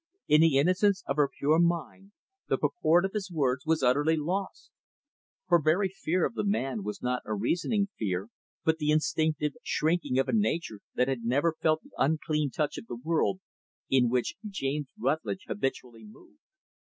In the innocence of her pure mind, the purport of his words was utterly lost. Her very fear of the man was not a reasoning fear, but the instinctive shrinking of a nature that had never felt the unclean touch of the world in which James Rutlidge habitually moved.